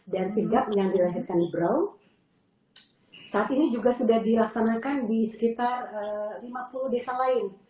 dan sigap yang dilahirkan brau saat ini juga sudah dilaksanakan di sekitar lima puluh desa lain